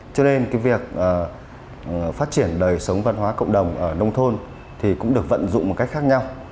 cho nên cái việc phát triển đời sống văn hóa cộng đồng ở nông thôn thì cũng được vận dụng một cách khác nhau